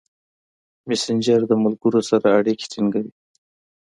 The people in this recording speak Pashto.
مسېنجر د ملګرو سره اړیکې ټینګوي.